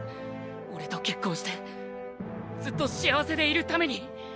オレと結婚してずっと幸せでいるために。